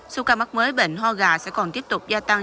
số ca mắc mới bệnh ho gà sẽ còn tiếp tục gia tăng